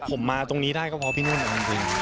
ผมมาตรงนี้ได้ก็เพราะพี่นุ่นจริง